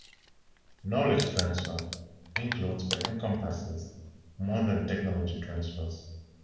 Knowledge transfer includes, but encompasses more than, technology transfer.